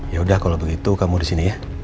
ya udah kalau begitu kamu disini ya